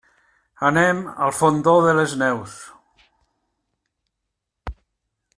Anem al Fondó de les Neus.